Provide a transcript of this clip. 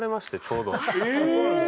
そうなんだ。